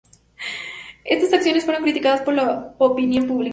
Estas acciones fueron criticadas por la opinión pública.